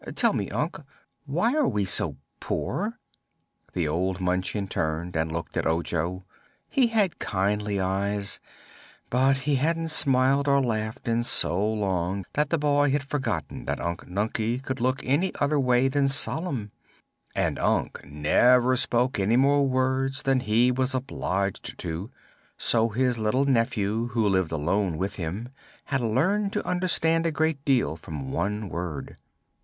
Tell me, Unc; why are we so poor?" The old Munchkin turned and looked at Ojo. He had kindly eyes, but he hadn't smiled or laughed in so long that the boy had forgotten that Unc Nunkie could look any other way than solemn. And Unc never spoke any more words than he was obliged to, so his little nephew, who lived alone with him, had learned to understand a great deal from one word.